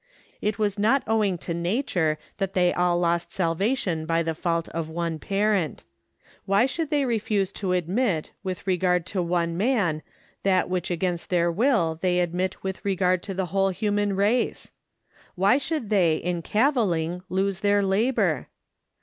It was not owing to nature that they all lost salvation by the fault of one parent. Why should they refuse to admit with regard to one man that which against their will they admit with regard to the whole human race? Why should they in caviling lose their labor?